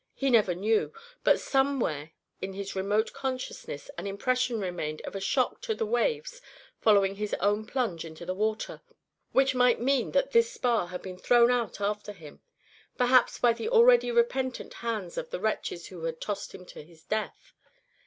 He never knew, but somewhere in his remote consciousness an impression remained of a shock to the waves following his own plunge into the water, which might mean that this spar had been thrown out after him, perhaps by the already repentant hands of the wretches who had tossed him to his death.